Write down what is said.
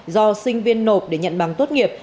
do sinh viên nộp để nhận bằng tốt nghiệp